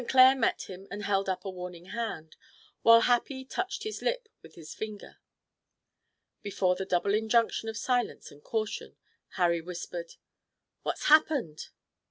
Clair met him and held up a warning hand, while Happy touched his lip with his finger. Before the double injunction of silence and caution, Harry whispered: "What's happened?"